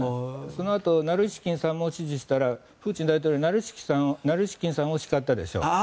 そのあとナルイシキンさんも支持したらプーチン大統領はナルイシキンさんを叱ったでしょ。